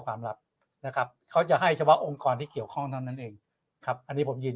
ลับนะครับเขาจะให้เฉพาะองค์กรที่เกี่ยวข้องเท่านั้นเองครับอันนี้ผมยืน